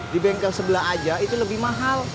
di bengkel sebelah aja itu lebih mahal